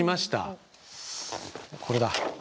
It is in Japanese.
これだ。